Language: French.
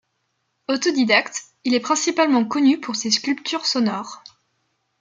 Autodidacte, il est principalement connu pour ses sculptures sonores.